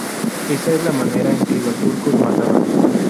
Esa es la manera en que los turcos mataban.